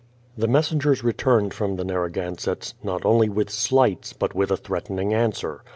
The messengers returned from the Narragansetts, not only with slights, but with a threatening answer.